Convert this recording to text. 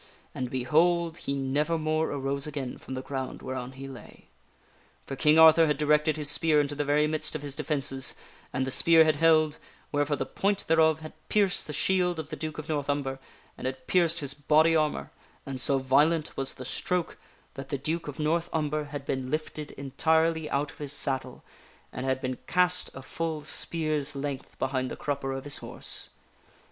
And, behold! he never more arose again from the ground whereon he lay. For King Arthur had directed his spear owfturneth'thc i nto tne very midst of his defences, and the spear had held, orth wherefore the point thereof had pierced the shield of the Duke of North Umber, and had pierced his body armor, and so violent was the stroke, that the Duke of North Umber had been lifted entirely out of his saddle, and had been cast a full spear's length be CAMELIARD IS DEFENDED I29 hind the crupper of his horse.